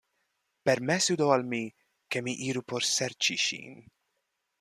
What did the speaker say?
Permesu do al mi, ke mi iru por serĉi ŝin.